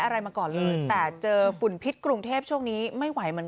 อะไรมาก่อนเลยแต่เจอฝุ่นพิษกรุงเทพช่วงนี้ไม่ไหวเหมือนกัน